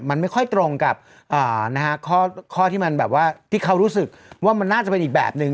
มันไม่ค่อยตรงกับข้อที่มันแบบว่าที่เขารู้สึกว่ามันน่าจะเป็นอีกแบบนึง